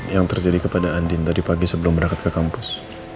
yang terjadi kepada andin tadi pagi sebelum berangkat ke kampus